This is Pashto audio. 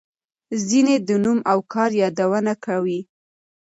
ځینې د نوم او کار یادونه کوي.